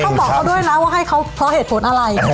บอกเขาด้วยนะว่าให้เขาเพราะเหตุผลอะไร